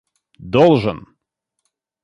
должен